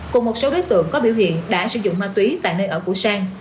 cùng một số đối tượng có biểu hiện đã sử dụng ma túy tại nơi ở của sang